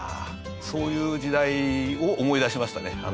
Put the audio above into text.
そういう時代を思い出しましたね